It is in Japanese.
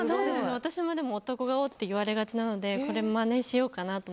私も男顔って言われがちなのでまねしようかなと。